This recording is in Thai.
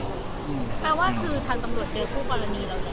แปลว่าทางตำรวจเจอผู้กรณีเหรอ